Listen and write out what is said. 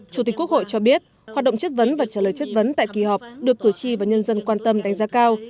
chủ tịch quốc hội cho biết hoạt động chất vấn và trả lời chất vấn tại kỳ họp được cử tri và nhân dân quan tâm đánh giá cao